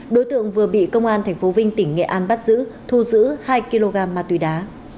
đối tượng vừa bị công an tp vinh tỉnh nghệ an bắt giữ thu giữ hai kg ma túy đá